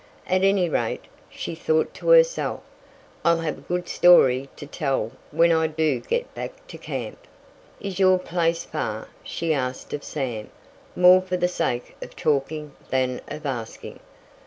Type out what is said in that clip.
"At any rate," she thought to herself, "I'll have a good story to tell when I do get back to camp." "Is your place far?" she asked of Sam, more for the sake of talking than of asking.